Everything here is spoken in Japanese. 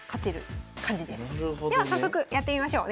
では早速やってみましょう。